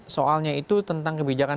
soalnya itu tentang kebijakan